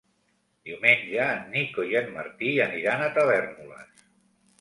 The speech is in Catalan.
Diumenge en Nico i en Martí aniran a Tavèrnoles.